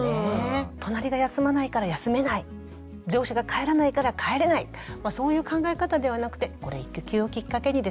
隣が休まないから休めない上司が帰らないから帰れないそういう考え方ではなくて育休をきっかけにですね